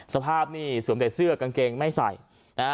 สภาพนี่สวมแต่เสื้อกางเกงไม่ใส่นะฮะ